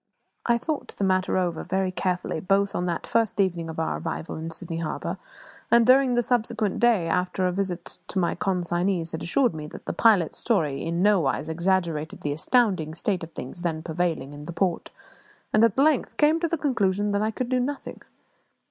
I thought the matter over very carefully, both on that first evening of our arrival in Sydney Harbour, and during the subsequent day, after a visit to my consignees had assured me that the pilot's story in nowise exaggerated the astounding state of things then prevailing in the port, and at length came to the conclusion that I could do nothing.